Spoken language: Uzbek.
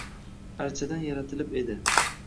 Archadan yaratilib edi.